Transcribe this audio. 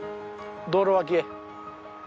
道路脇へ。